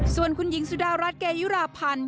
ส่วนคุณหญิงสุดารัฐเกยุราพันธ์